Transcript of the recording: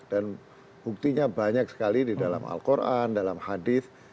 dan buktinya banyak sekali di dalam al quran dalam hadith